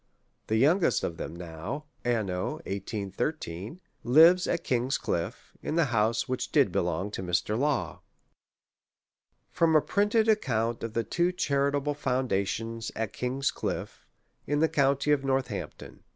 The youngest of them now (Anno 1813) lives at King's Clitfe, in the bouse which did belong to Mr. Law. From a printed Account of the two charitable Foun dations at King's Cliffe, in the County of North ampton.